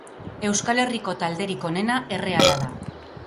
Euskal Herriko talderik onena erreala da.